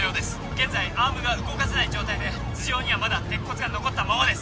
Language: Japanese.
現在アームが動かせない状態で頭上にはまだ鉄骨が残ったままです